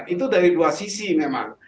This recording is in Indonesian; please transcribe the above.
itu dari dua sisi memang